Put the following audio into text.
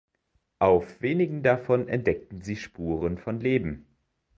Auf wenigen davon entdecken sie Spuren von Leben.